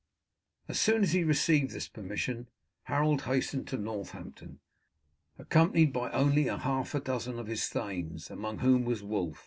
As soon as he received this permission Harold hastened to Northampton, accompanied by only half a dozen of his thanes, among whom was Wulf.